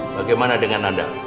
bagaimana dengan anda